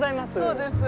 そうです。